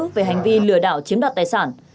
về hành vi lừa đảo chiếm đặt tài sản